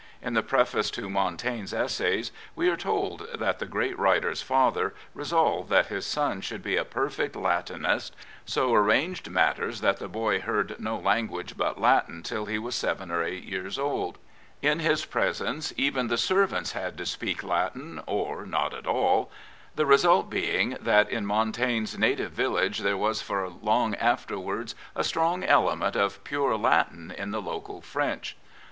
In the preface to Montaigne's Essays we are told that the great writer's father resolved that his son should be a perfect Latinist, so arranged matters that the boy heard no language but Latin till he was seven or eight years of age. In his presence even the servants had to speak Latin or not at all, the result being that in Montaigne's native village there was for long afterwards a strong element of pure Latin in the local French.